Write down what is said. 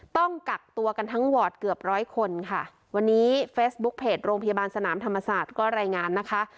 ต้องกักตัวกันทั้งวอร์ดเกือบร้อยคนค่ะวันนี้เฟซบุ๊คเพจโรงพยาบาลสนามธรรมศาสตร์ก็รายงานนะคะ